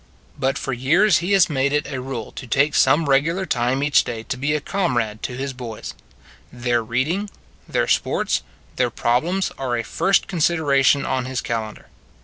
But for years he has made it a rule to take some regular time each day to be a 94 It s a Good Old World comrade to his boys. Their reading, their sports, their problems are a first considera tion on his calendar.